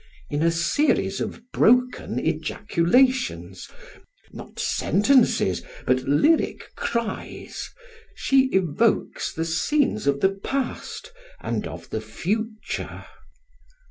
In a series of broken ejaculations, not sentences but lyric cries, she evokes the scenes of the past and of the future.